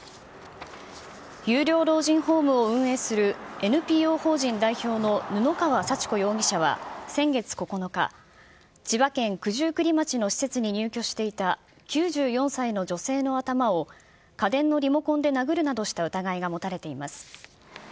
有料老人ホームを運営するＮＰＯ法人代表の布川幸子容疑者は先月９日、千葉県九十九里町の施設に入居していた９４歳の女性の頭を、家電のリモコンで殴るなどした疑いが持たれています。